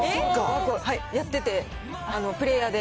やってて、プレーヤーで。